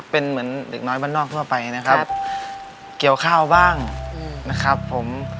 เป็นเหมือนเด็กน้อยบ้านนอกทั่วไปนะครับเกี่ยวข้าวบ้างนะครับผม